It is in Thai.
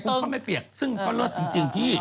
ก็ไม่เปียกซึ่งก็เลิศจริงพี่